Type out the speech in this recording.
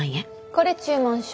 これ注文書。